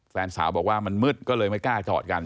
แฟนสาวบอกว่ามันมืดก็เลยไม่กล้าจอดกัน